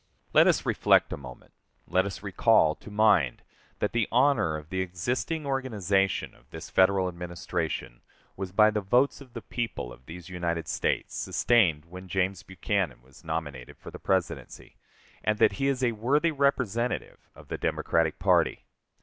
Let us reflect a moment; let us recall to mind that the honor of the existing organization of this Federal Administration was by the votes of the people of these United States sustained when James Buchanan was nominated for the Presidency, and that he is a worthy representative of the Democratic party.